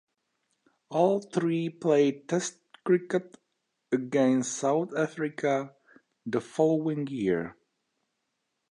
All three played Test cricket against South Africa the following year.